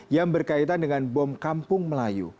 yang berkaitan dengan bom kampung melayu